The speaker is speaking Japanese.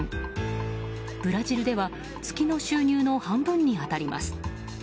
ブラジルでは月の収入の半分に当たります。